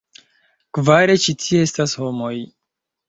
Kvare, ĉi tie estas homoj.